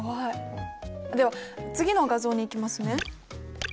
では次の画像にいきますね。